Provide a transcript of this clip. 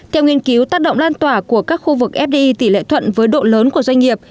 theo nghiên cứu tác động lan tỏa của các khu vực fdi tỷ lệ thuận với độ lớn của doanh nghiệp